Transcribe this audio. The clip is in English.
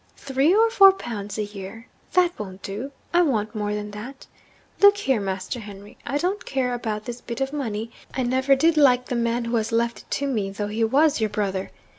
'Three or four pounds a year? That won't do! I want more than that. Look here, Master Henry. I don't care about this bit of money I never did like the man who has left it to me, though he was your brother.